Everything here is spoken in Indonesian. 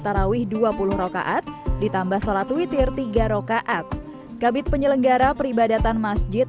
tarawih dua puluh rokaat ditambah sholat witir tiga rokaat kabit penyelenggara peribadatan masjid